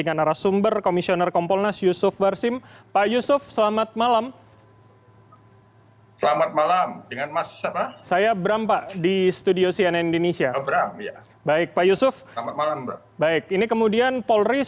ada tokoh menteri